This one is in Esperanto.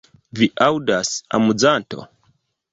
Vi aŭdas, amuzanto?